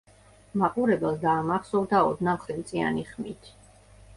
მაყურებელს დაამახსოვრდა ოდნავ ხრინწიანი ხმით.